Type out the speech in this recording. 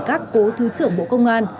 các cố thứ trưởng bộ công an